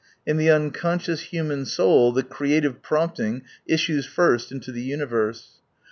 In the unconscious human soul the creative prompting issues first into the universe.